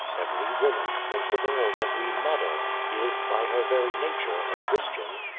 Every woman, most of all every mother, is, by her very nature, a Christian.